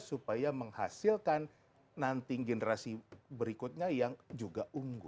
supaya menghasilkan nanti generasi berikutnya yang juga unggul